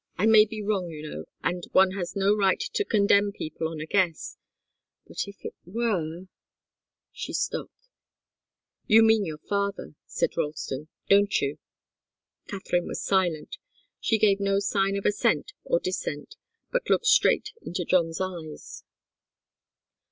I may be wrong, you know, and one has no right to condemn people on a guess. But if it were " She stopped. "You mean your father?" asked Ralston. "Don't you?" Katharine was silent. She gave no sign of assent or dissent, but looked straight into John's eyes.